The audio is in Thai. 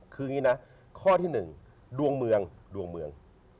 คืออย่างนี้นะข้อที่๑ดวงเมืองดวงเมือง